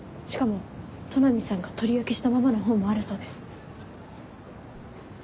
しかも都波さんが取り置きしたままの本もあるそうです。